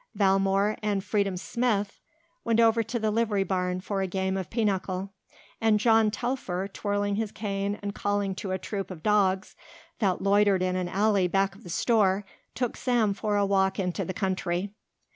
Valmore and Freedom Smith went over to the livery barn for a game of pinochle. And John Telfer, twirling his cane and calling to a troup of dogs that loitered in an alley back of the store, took Sam for a walk into the country.